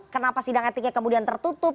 kenapa sidang etiknya kemudian tertutup